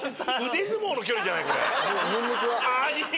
腕相撲の距離じゃないこれ。